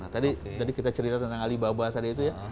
tadi kita cerita tentang alibaba tadi itu ya